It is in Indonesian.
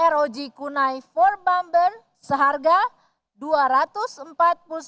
rog kunai empat bumper seharga rp dua ratus